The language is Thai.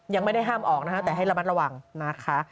ยังไม่ได้ห้ามออกนะคะแต่ให้ระมัดระวังนะคะ